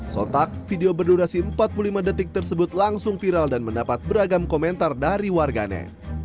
sotak video berdurasi empat puluh lima detik tersebut langsung viral dan mendapat beragam komentar dari warganet